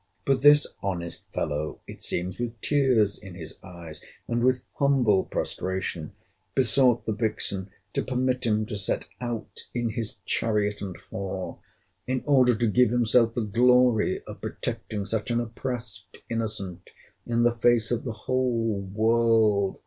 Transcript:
But this honest fellow, it seems, with tears in his eyes, and with humble prostration, besought the vixen to permit him to set out in his chariot and four, in order to give himself the glory of protecting such an oppressed innocent, in the face of the whole world.